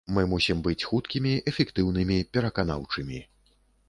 Мы мусім быць хуткімі, эфектыўнымі, пераканаўчымі.